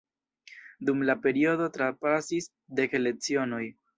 Dum la periodo trapasis dek lecionoj.